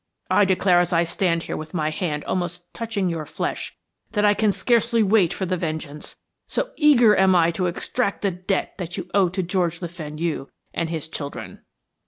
I declare as I stand here with my hand almost touching your flesh that I can scarcely wait for the vengeance, so eager am I to extract the debt that you owe to George Le Fenu and his children."